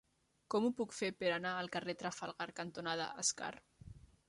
Com ho puc fer per anar al carrer Trafalgar cantonada Escar?